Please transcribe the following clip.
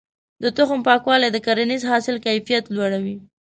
د تخم پاکوالی د کرنیز حاصل کيفيت لوړوي.